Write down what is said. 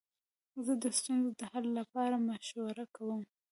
زه د ستونزو د حل لپاره مشوره کوم.